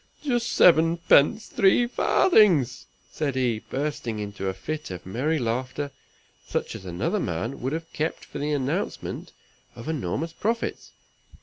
"Just seven pence three farthings," said he, bursting into a fit of merry laughter, such as another man would have kept for the announcement of enormous profits.